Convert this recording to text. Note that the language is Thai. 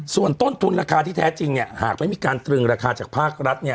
ส่วนต้นทุนราคาที่แท้จริงเนี่ยหากไม่มีการตรึงราคาจากภาครัฐเนี่ย